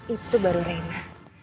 itu baru rena